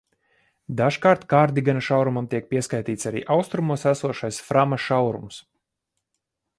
Dažkārt Kārdigana šaurumam tiek pieskaitīts arī austrumos esošais Frama šaurums.